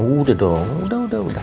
udah dong udah udah udah